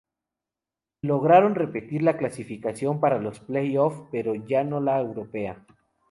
Lograron repetir la clasificación para los playoff pero ya no la europea.